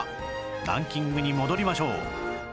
ランキングに戻りましょう